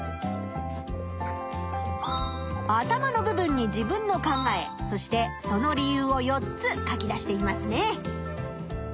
頭の部分に自分の考えそしてその理由を４つ書き出していますね。